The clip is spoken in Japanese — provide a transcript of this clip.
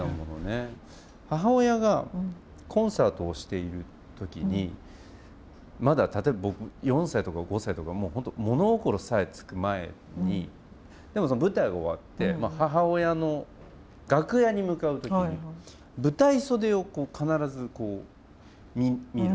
母親がコンサートをしている時にまだ例えば僕４歳とか５歳とか本当物心さえつく前にその舞台が終わって母親の楽屋に向かう時に舞台袖を必ずこう見るんですよ。